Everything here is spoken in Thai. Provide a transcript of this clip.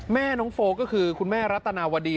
แม่น้องโฟก็คือคุณแม่รัตนาวดี